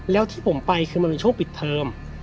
แล้วที่ผมไปคือมันเป็นช่วงปิดเทอม